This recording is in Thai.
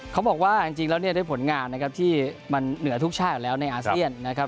เขาบอกว่าจริงแล้วเนี่ยด้วยผลงานนะครับที่มันเหนือทุกชาติอยู่แล้วในอาเซียนนะครับ